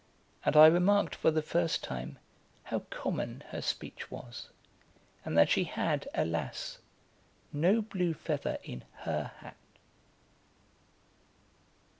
and I remarked for the first time how common her speech was, and that she had, alas, no blue feather in her hat.